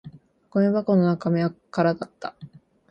ゴミ箱の中身は空だった